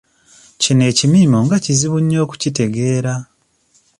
Kino ekimiimo nga kizibu nnyo okukitegeera.